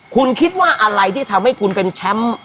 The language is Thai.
คุณคิดว่าอะไรที่ทำให้คุณเป็นแชมป์